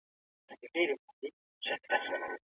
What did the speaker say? د دغي کوڅې په پای کي د شکر یوه نوې کوټه ده.